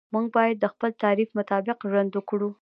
موږ باید د خپل تعریف مطابق ژوند وکړو.